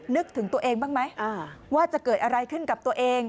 นึกถึงตัวเองบ้างไหมว่าจะเกิดอะไรขึ้นกับตัวเอง